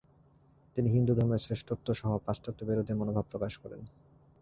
তিনি হিন্দু ধর্মের শ্রেষ্ঠত্ত্বসহ পাশ্চাত্য-বিরোধী মনোভাব প্রকাশ করেন।